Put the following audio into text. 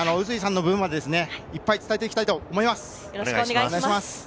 碓井さんの分までいっぱい伝えていきたいと思います。